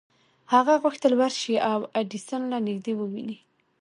هغه غوښتل ورشي او ایډېسن له نږدې وويني.